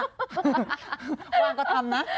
ว่างก็ทำนะ